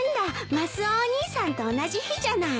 マスオお兄さんと同じ日じゃない。